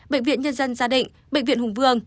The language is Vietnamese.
bệnh viện nhân dân gia định bệnh viện hùng vương